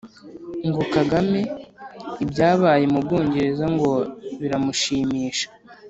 Ngo Kagame ibyabaye mu Bwongereza ngo biramushimisha!